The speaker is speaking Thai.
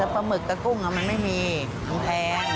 ปลาหมึกกับกุ้งมันไม่มีมันแพง